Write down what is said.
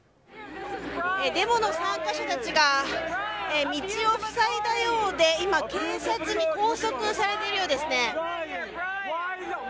デモの参加者たちが道をふさいだようで今警察に拘束されているようですね。